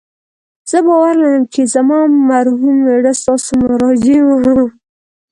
زه باور لرم چې زما مرحوم میړه ستاسو مراجع و